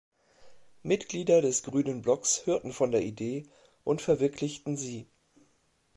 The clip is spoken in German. Mitglieder des Grünen Blocks hörten von der Idee und verwirklichten sie.